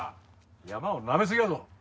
山をなめすぎやぞ！